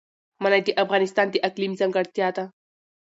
منی د افغانستان د اقلیم ځانګړتیا ده.